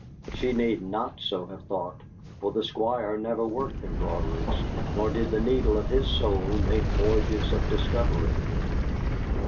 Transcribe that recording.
She need not so have thought, for the Squire never worked embroideries, nor did the needle of his soul make voyages of discovery.